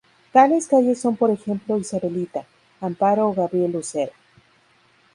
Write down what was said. Tales calles son por ejemplo Isabelita, Amparo o Gabriel Usera.